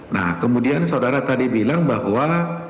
nah kemudian saudara tadi bilang bahwa